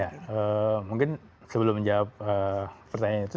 ya mungkin sebelum menjawab pertanyaan itu